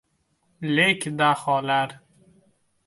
Lek daholar